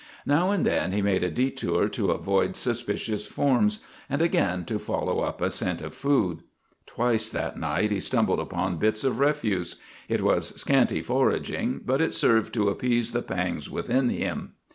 Now and then he made a detour to avoid suspicious forms, and again to follow up a scent of food. Twice that night he stumbled upon bits of refuse. It was scanty foraging, but it served to appease the pangs within him.